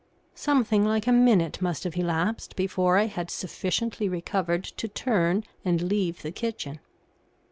Something like a minute must have elapsed before I had sufficiently recovered to turn and leave the kitchen.